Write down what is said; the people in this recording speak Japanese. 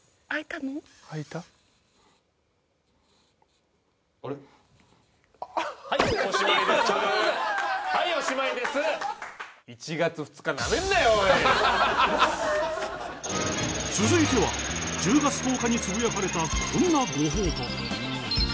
続いては１０月１０日につぶやかれたこんなご報告。